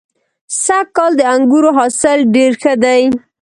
سږ کال د انګورو حاصل ډېر ښه دی.